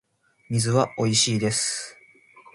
水はおいしいです